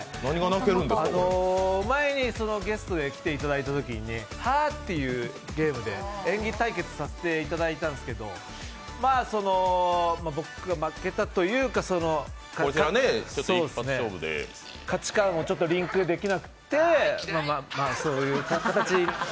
前にゲストで来ていただいたときに「はぁって言うゲーム」で演技対決させていただいたんですけど、僕が負けたというか価値観をリンクできなくてそういう形。